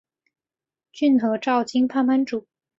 骏河沼津藩藩主。